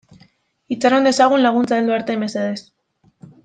Itxaron dezagun laguntza heldu arte, mesedez.